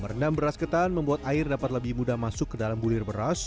merendam beras ketan membuat air dapat lebih mudah masuk ke dalam bulir beras